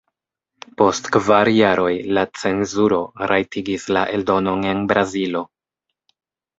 Post kvar jaroj la cenzuro rajtigis la eldonon en Brazilo.